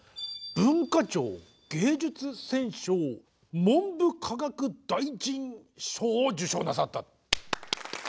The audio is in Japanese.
文化庁芸術選奨文部科学大臣賞を受賞なさった。